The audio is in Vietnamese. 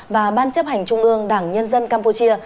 và ban chấp hành trung ương đảng nhân dân campuchia